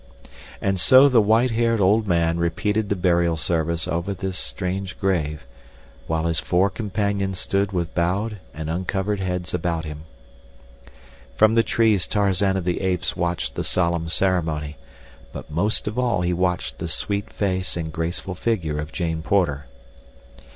'" And so the white haired old man repeated the burial service over this strange grave, while his four companions stood with bowed and uncovered heads about him. From the trees Tarzan of the Apes watched the solemn ceremony; but most of all he watched the sweet face and graceful figure of Jane Porter.